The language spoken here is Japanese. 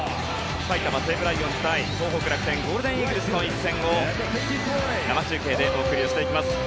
埼玉西武ライオンズ対東北楽天ゴールデンイーグルスの一戦を生中継でお送りしていきます。